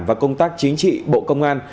và công tác chính trị bộ công an